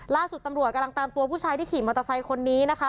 ล่าสุดตำรวจกำลังตามตัวผู้ชายที่ขี่มอเตอร์ไซค์คนนี้นะคะ